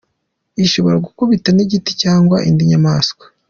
Ishobora gukubita n’igiti cyangwa indi nyamaswa.